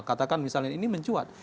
katakan misalnya ini mencuat